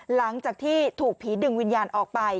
หลังจากที่ถูกผีดึงวิญญาณออกไป